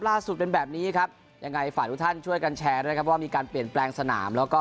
ล่าสุดเป็นแบบนี้ครับยังไงฝากทุกท่านช่วยกันแชร์นะครับว่ามีการเปลี่ยนแปลงสนามแล้วก็